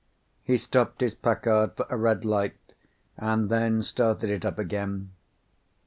He stopped his Packard for a red light and then started it up again.